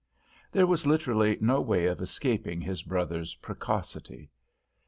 There was literally no way of escaping his brother's precocity.